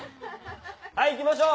はいいきましょう。